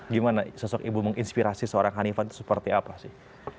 gimana sosok ibu menginspirasi seorang hanifan itu seperti apa sih